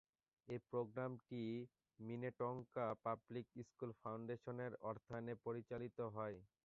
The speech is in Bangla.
এই প্রোগ্রামটি মিনেটোঙ্কা পাবলিক স্কুলস ফাউন্ডেশনের অর্থায়নে পরিচালিত হয়।